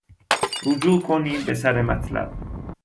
رجوع کنیم بسر مطلب